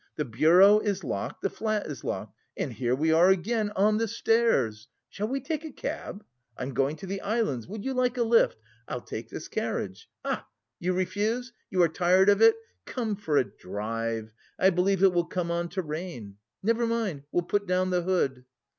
The bureau is locked, the flat is locked, and here we are again on the stairs. Shall we take a cab? I'm going to the Islands. Would you like a lift? I'll take this carriage. Ah, you refuse? You are tired of it! Come for a drive! I believe it will come on to rain. Never mind, we'll put down the hood...."